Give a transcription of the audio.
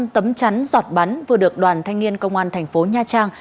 năm trăm linh tấm chắn giọt bắn vừa được đoàn thanh niên công an thành phố nha trang